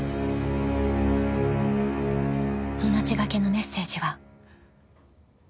［命懸けのメッセージは］